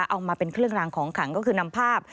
เอามาเป็นเครื่องรางของขังก็คือนำภาพ